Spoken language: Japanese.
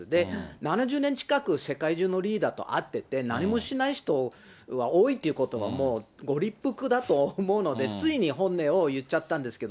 ７０年近く、世界中のリーダーと会ってて、何もしない人は多いということがもうご立腹だと思うので、ついに本音を言っちゃったんですけど。